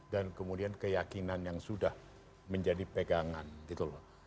dan kemudian keyakinan yang sudah menjadi pegangan gitu loh